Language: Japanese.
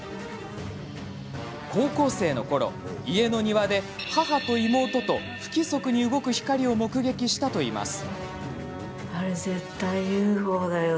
高校生のころ、家の庭で母と妹と不規則に動く光を目撃したといいます。